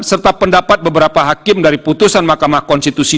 serta pendapat beberapa hakim dari putusan mahkamah konstitusi